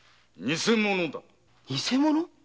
「偽物」？